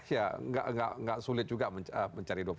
iya gak sulit juga mencari dua puluh lima